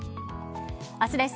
明日です。